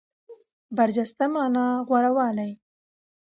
برجسته مانا غوره والی.